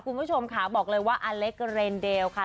คุณผู้ชมค่ะบอกเลยว่าอเล็กเรนเดลค่ะ